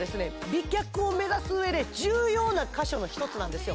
美脚を目指す上で重要な箇所の１つなんですよ